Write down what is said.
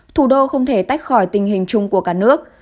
thủ đô không thể tách khỏi tình hình chung của cả nước